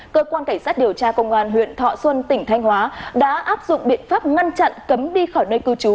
cơ quan cảnh sát điều tra công an huyện thọ xuân tỉnh thanh hóa đã áp dụng biện pháp ngăn chặn cấm đi khỏi nơi cư trú